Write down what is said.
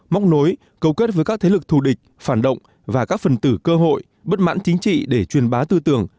móc nối cấu kết với các thế lực thù địch phản động và các phần tử cơ hội bất mãn chính trị để truyền bá tư tưởng